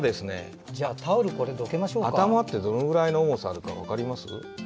頭ってどのくらいの重さか分かります？